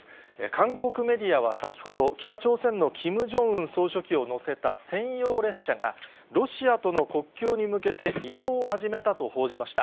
韓国メディアは先ほど、北朝鮮のキム・ジョンウン総書記を乗せた専用列車が、ロシアとの国境に向けて、移動を始めたと報じました。